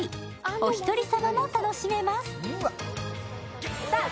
おひとり様も楽しめます。